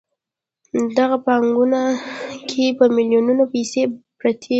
د هغه په بانکونو کې په میلیونونو پیسې پرتې دي